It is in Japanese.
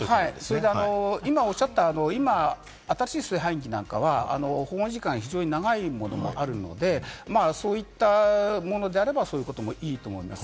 今、おっしゃった、新しい炊飯器なんかは、保温時間が非常に長いものもあるので、そういったものであれば、そういうこともいいと思うんです。